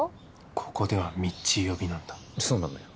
ここではミッチー呼びなんだそうなのよ